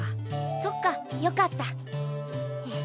そっかよかった。